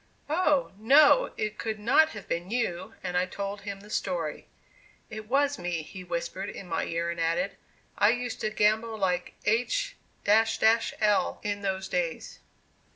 '" "Oh! no, it could not have been you," and I told him the story. "It was me," he whispered in my ear, and added, "I used to gamble like h l in those days."